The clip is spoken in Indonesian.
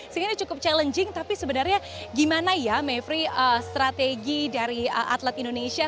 sehingga cukup challenging tapi sebenarnya gimana ya mayfrey strategi dari atlet indonesia